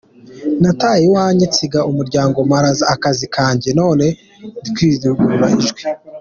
"Nataye iwanjye, nsiga umuryango, mpara akazi kanjye, none ndikurangurura ijwi.